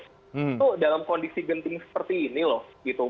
itu dalam kondisi genting seperti ini loh gitu